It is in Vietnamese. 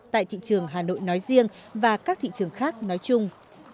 tại thị trường hà nội nói riêng và các thị trường khác nói chung